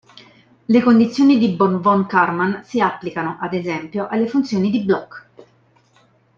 Le condizioni di Born-von Karman si applicano, ad esempio, alle funzioni di Bloch.